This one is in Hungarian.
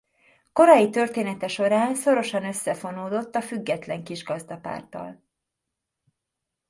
Korai története során szorosan összefonódott a Független Kisgazdapárttal.